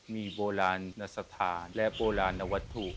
มีโบราณหนสถานและโบราณนวรรษฐูป